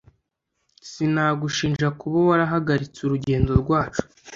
Sinagushinja kuba warahagaritse urugendo rwacu